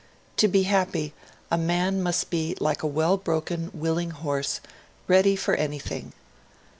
To be happy, a man must be like a well broken, willing horse, ready for anything.